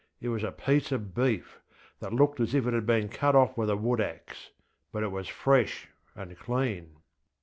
It was a piece of beef, that looked as if it had been cut off with a wood axe, but it was fresh and clean.